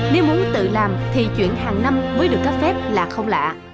nếu muốn tự làm thì chuyển hàng năm mới được cấp phép là không lạ